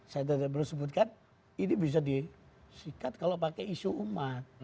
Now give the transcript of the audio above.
saya tadi baru sebutkan ini bisa disikat kalau pakai isu umat